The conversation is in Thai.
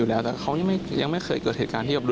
ลงการมีสินมีครับ